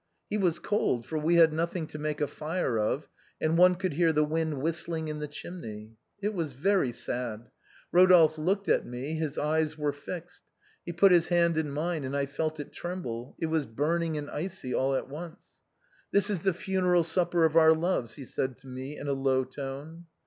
He was cold, for we had nothing to make a fire of, and one could hear the wind whistling in the chimney. It was very sad, Rodolphe looked at me, his eyes were fixed ; he put his hand in mine and I felt it tremble, it was burning and icy all at once. * This is the funeral supper of our loves,' he said to me in a low tone.